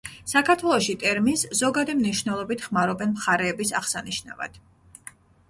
საქართველოში ტერმინს ზოგადი მნიშვნელობით ხმარობენ მხარეების აღსანიშნავად.